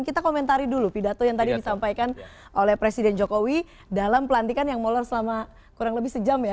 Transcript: kita komentari dulu pidato yang tadi disampaikan oleh presiden jokowi dalam pelantikan yang molor selama kurang lebih sejam ya